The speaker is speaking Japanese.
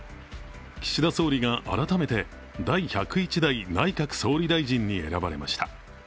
岸田総理が改めて第１０１代内閣総理大臣に選ばれました。